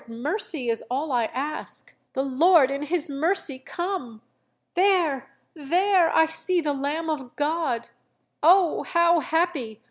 mercy is all I ask. The Lord in His mercy come! There! there! I see the Lamb of God! Oh! how happy!